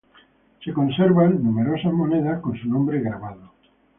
Se conservan numerosas monedas con su nombre grabado.